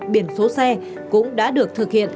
biển số xe cũng đã được thực hiện